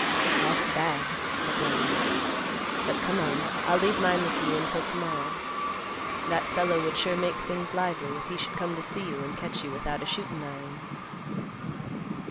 "That's bad," said Young Matt. "But come on, I'll leave mine with you until to morrow. That fellow would sure make things lively, if he should come to see you, and catch you without a shootin' iron."